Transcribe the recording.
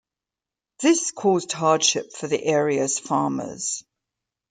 This caused hardship for the area's farmers.